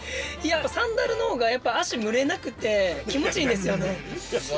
サンダルの方がやっぱ足蒸れなくて気持ちいいんですよね。